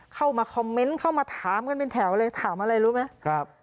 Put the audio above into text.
เข้ามาคอมเมนต์เข้ามาถามกันเป็นแถวเลยถามอะไรรู้ไหมครับ